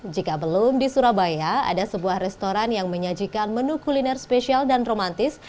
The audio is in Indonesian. jika belum di surabaya ada sebuah restoran yang menyajikan menu kuliner spesial dan romantis